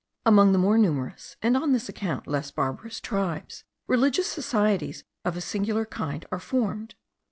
'" Among the more numerous, and on this account less barbarous tribes, religious societies of a singular kind are formed.